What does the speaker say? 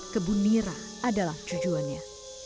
kebun nira adalah tujuannya